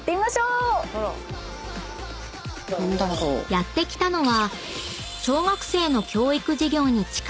［やって来たのは］